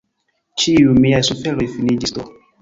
Ĉiuj miaj suferoj finiĝis do!